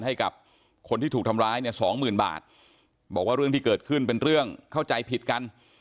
ให้กับคนที่ถูกทำร้ายเนี่ยสองหมื่นบาทบอกว่าเรื่องที่เกิดขึ้นเป็นเรื่องเข้าใจผิดกัน